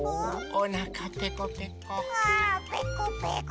おなかペコペコ。